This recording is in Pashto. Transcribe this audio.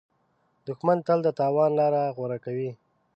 دښمن تل د تاوان لاره غوره کوي